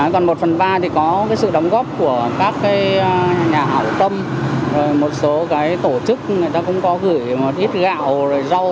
còn một phần ba thì có sự đóng góp của các nhà hảo tâm một số tổ chức người ta cũng có gửi một ít gạo rồi rau